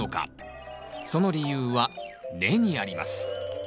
その理由は根にあります